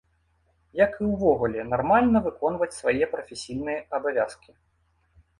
Як і ўвогуле нармальна выконваць свае прафесійныя абавязкі.